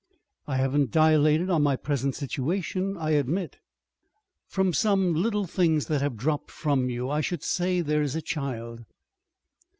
"I haven't dilated on my present situation, I admit." "From some little things that have dropped from you, I should say there is a child."